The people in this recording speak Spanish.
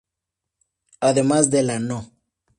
Además de la No.